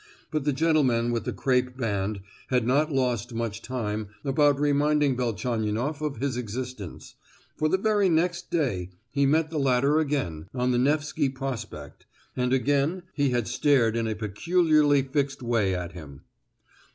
But the gentleman with the crape band had not lost much time about reminding Velchaninoff of his existence, for the very next day he met the latter again, on the Nefsky Prospect and again he had stared in a peculiarly fixed way at him.